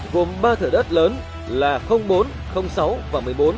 gồm ba thửa đất lớn là bốn sáu và một mươi bốn